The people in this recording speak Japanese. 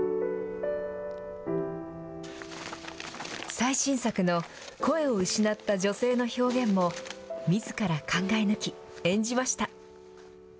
最新作の声を失った女性の表現も、みずから考え抜き、演じました。